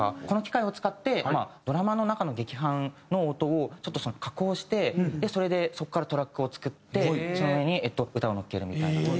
この機械を使ってドラマの中の劇伴の音をちょっと加工してそれでそこからトラックを作ってその上に歌をのっけるみたいな。